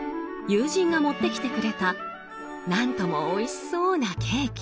友人が持ってきてくれた何ともおいしそうなケーキ。